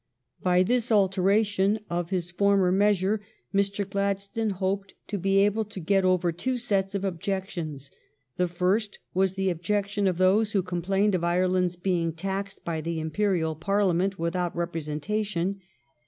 By this alteration of his former measure Mr. Glad stone hoped to be able to get over two sets of objections. The first was the objection of those who complained of Ireland's being taxed by the Imperial Parliament without representation.